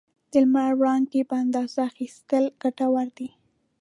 د لمر وړانګې په اندازه اخیستل ګټور دي.